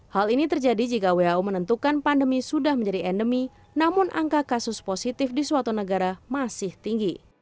hal ini terjadi jika who menentukan pandemi sudah menjadi endemi namun angka kasus positif di suatu negara masih tinggi